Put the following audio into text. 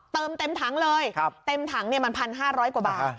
เติมเต็มถังเลยเต็มถังมัน๑๕๐๐กว่าบาท